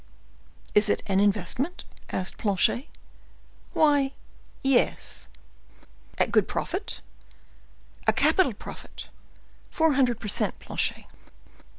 "Is it an investment?" asked Planchet. "Why, yes." "At good profit?" "A capital profit,—four hundred per cent, Planchet."